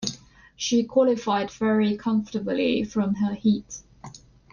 She qualified very comfortably from her heat.